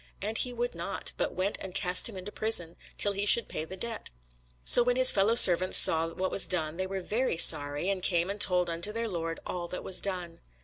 And he would not: but went and cast him into prison, till he should pay the debt. So when his fellowservants saw what was done, they were very sorry, and came and told unto their lord all that was done.